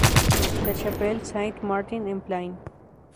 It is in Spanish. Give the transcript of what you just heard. La Chapelle-Saint-Martin-en-Plaine